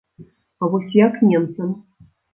А вось як немцам?